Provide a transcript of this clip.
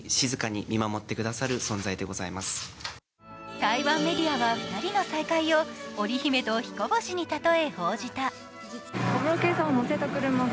台湾メディアは２人の再会を織り姫と彦星に例えて報じた。